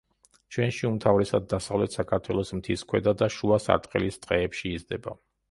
ჩვენში უმთავრესად დასავლეთ საქართველოს მთის ქვედა და შუა სარტყელის ტყეებში იზრდება.